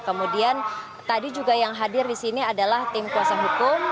kemudian tadi juga yang hadir di sini adalah tim kuasa hukum